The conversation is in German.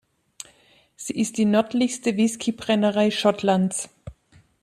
Sie ist die nördlichste Whiskybrennerei Schottlands.